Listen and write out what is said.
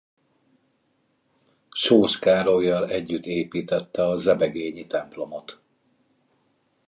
Kós Károllyal együtt építette a zebegényi templomot.